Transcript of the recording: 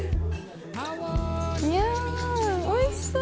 いやおいしそう！